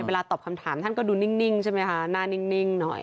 เวลาตอบคำถามท่านก็ดูนิ่งใช่ไหมคะหน้านิ่งหน่อย